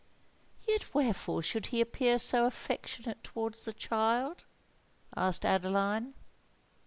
"Yet wherefore should he appear so affectionate towards the child?" asked Adeline.